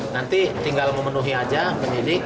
nanti tinggal memenuhi aja penyidik